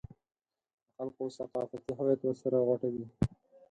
د خلکو ثقافتي هویت ورسره غوټه وي.